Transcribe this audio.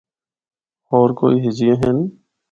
ہور کوئی ہِجیاں ہن۔